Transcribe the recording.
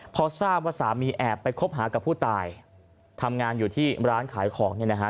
พอทราบว่าสามีแอบไปคบหากับผู้ตายทำงานอยู่ที่ร้านขายของเนี่ยนะฮะ